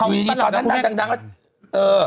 อยู่ดีตอนนั้นนางแล้ว